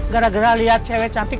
gara gara lihat cewek cantik